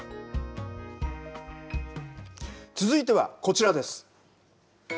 続いてはこちらです。